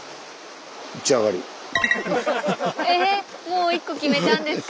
ええっもう１個決めたんですか？